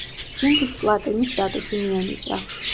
სინგლს პლატინის სტატუსი მიენიჭა.